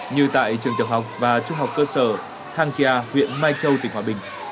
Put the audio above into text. như tại trường tiểu học và trung học cơ sở thang kia huyện mai châu tỉnh hòa bình